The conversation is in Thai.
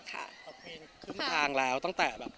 ควินขึ้นทางแล้วตั้งแต่แบบ